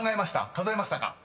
数えました。